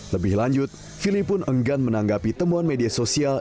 lebih lanjut firly pun enggan menanggapi temuan media sosial